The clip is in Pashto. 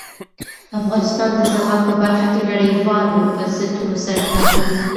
افغانستان د زغال په برخه کې نړیوالو بنسټونو سره کار کوي.